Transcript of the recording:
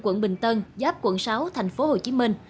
quận bình tân giáp quận sáu tp hcm